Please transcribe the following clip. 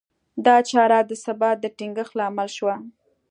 دا چاره د ثبات د ټینګښت لامل شوه.